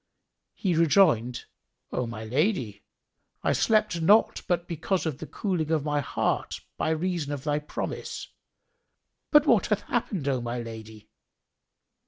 He rejoined, "O my lady, I slept not but because of the cooling of my heart by reason of thy promise. But what hath happened, O my lady?"